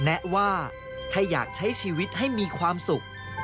แนะว่าถ้าอยากใช้ชีวิตให้มีความสุข